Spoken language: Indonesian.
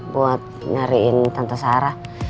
buat nyariin tante sarah